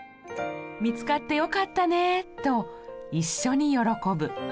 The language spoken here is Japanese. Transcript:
見つかってよかったねと一緒に喜ぶ。